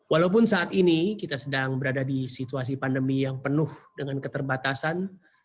walaupun saat ini kita sedang berada di situasi pandemi yang penuh dengan keterbatasan